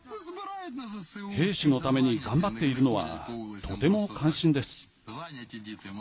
兵士のために頑張っているのはとても感心です。